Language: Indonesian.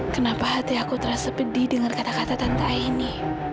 kenapa hati aku terasa pedih dengan kata kata tentang ini